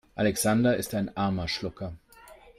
Alexander ist ein armer Schlucker.